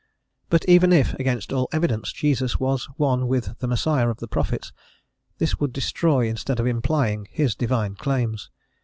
But even if, against all evidence, Jesus was one with the Messiah of the prophets, this would destroy, instead of implying, his Divine claims.